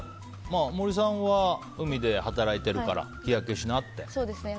森さんは海で働いているから日焼けしなって？